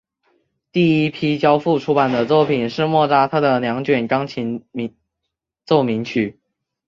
第一批交付出版的作品是莫扎特的两卷钢琴奏鸣曲。